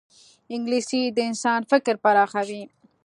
انګلیسي د انسان فکر پراخوي